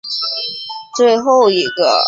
五和针织厂也是中国最大的华资针织厂。